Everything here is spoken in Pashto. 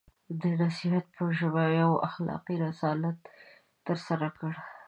د نصیحت په ژبه یو اخلاقي رسالت ترسره کړ.